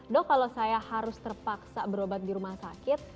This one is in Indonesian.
dok kalau saya harus terpaksa berobat di rumah sakit